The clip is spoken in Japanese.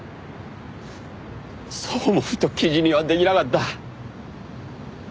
そう思うと記事にはできなかった！